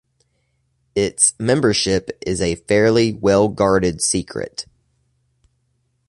Its membership is a fairly well-guarded secret.